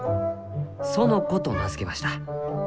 園子と名付けました」。